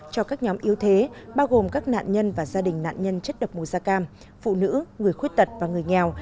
cho các nhóm yếu thế bao gồm các nạn nhân và gia đình nạn nhân chất độc mùa da cam phụ nữ người khuyết tật và người nghèo